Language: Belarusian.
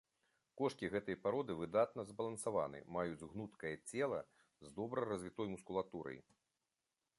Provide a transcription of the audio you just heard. Кошкі гэтай пароды выдатна збалансаваны, маюць гнуткае цела з добра развітой мускулатурай.